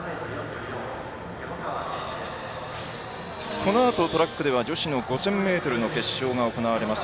このあとトラックでは女子の５０００ｍの決勝が行われます。